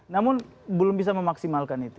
namun belum bisa memaksimalkan itu